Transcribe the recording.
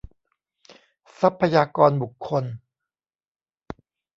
ทรัพยากรบุคคล